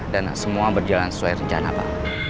dan semua berjalan sesuai rencana pak